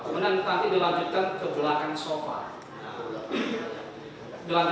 kemudian nanti dilanjutkan ke belakang sofa